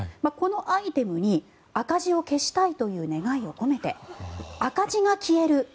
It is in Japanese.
このアイテムに赤字を消したいという願いを込めて赤字が消える！